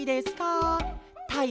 たい